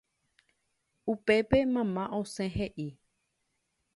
Upépe mamá osẽ he'i